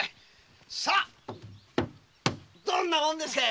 さどんなもんですか！